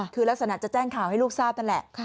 คือลักษณะจะแจ้งข่าวให้ลูกทราบนั่นแหละ